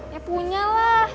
ya punya lah